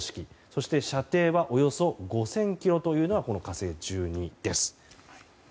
そして射程はおよそ５０００ｋｍというのがこの「火星１２」です。